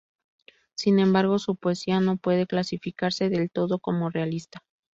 Sin embargo, su poesía no puede clasificarse del todo como realista.